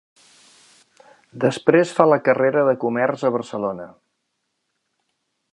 Després fa la carrera de comerç a Barcelona.